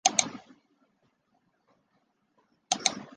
有九位旅客不幸罹难